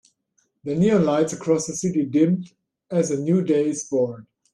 The neon lights across the city dimmed as a new day is born.